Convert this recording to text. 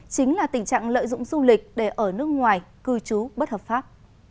chính là tình trạng lợi dụng du lịch để ở nước ngoài cư trú bất hợp pháp